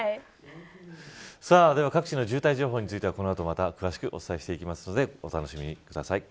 各地の渋滞情報についてはこの後、また詳しくお伝えしていきますのでお楽しみください。